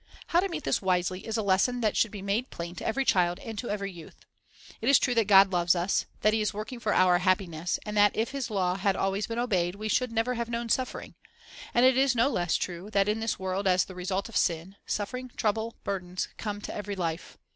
How to meet this wisely is a lesson that should be made plain to every child and to every youth. It is true that God loves us, that He is working for our happiness, and that, if His law had always been obeyed, we should never have known suffering; and it is no less true that, in this world, as the result of sin, suffering, trouble, burdens, come to every life.